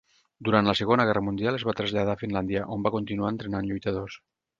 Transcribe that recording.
Durant la Segona Guerra Mundial es va traslladar a Finlàndia, on va continuar entrenant lluitadors.